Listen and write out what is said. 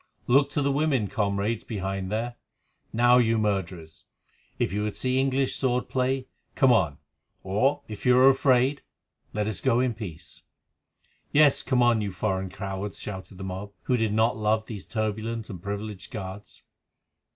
Look to the women, comrades behind there. Now, you murderers, if you would see English sword play, come on, or, if you are afraid, let us go in peace." "Yes, come on, you foreign cowards," shouted the mob, who did not love these turbulent and privileged guards.